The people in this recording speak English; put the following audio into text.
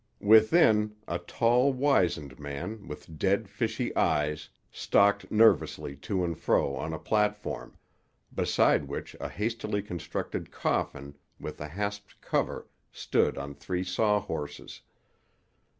Within, a tall wizened man, with dead fishy eyes, stalked nervously to and fro on a platform, beside which a hastily constructed coffin with a hasped cover stood on three sawhorses.